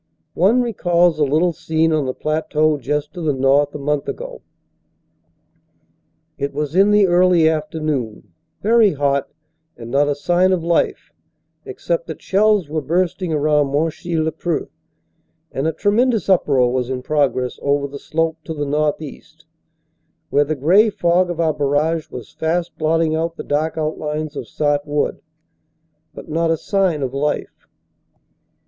One recalls a little scene on the plateau just to the north a month ago. It was in the early afternoon, very hot and not a sign of life, except that shells were bursting around Monchy le Preux and a tremendous uproar was in progress over the slope to the northeast, where the gray fog of our barrage was fast blotting out the dark outlines of Sart Wood, But not a sign of life.